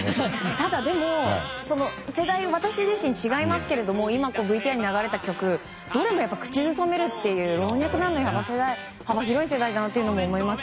ただでも世代は私自身違いますけど今ＶＴＲにも流れた曲どれも口ずさめるという老若男女幅広い世代だと思います。